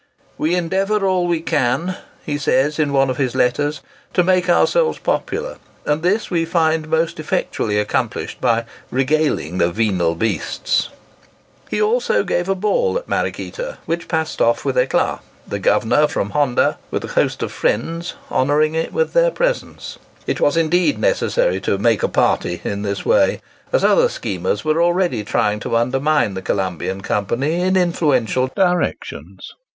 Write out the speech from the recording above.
"We endeavour all we can," he says, in one of his letters, "to make ourselves popular, and this we find most effectually accomplished by 'regaling the venal beasts.'" He also gave a ball at Mariquita, which passed off with éclat, the governor from Honda, with a host of friends, honouring it with their presence. It was, indeed, necessary to "make a party" in this way, as other schemers were already trying to undermine the Colombian company in influential directions.